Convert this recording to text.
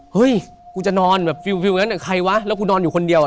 เฮ้ยกูจะนอนแบบฟิวอย่างนั้นใครวะแล้วกูนอนอยู่คนเดียว